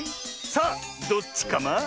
さあどっちカマ？